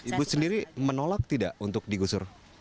ibu sendiri menolak tidak untuk digusur